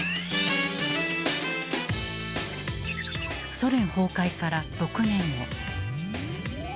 ソ連崩壊から６年後。